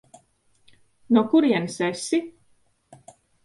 No kurienes esi?